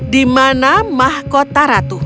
di mana mahkota ratu